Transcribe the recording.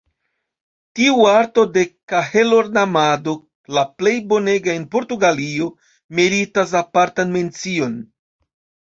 Tiu arto de kahelornamado – la plej bonega en Portugalio – meritas apartan mencion.